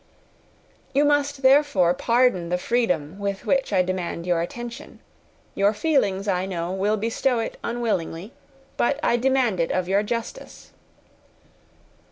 You must, therefore, pardon the freedom with which I demand your attention; your feelings, I know, will bestow it unwillingly, but I demand it of your justice.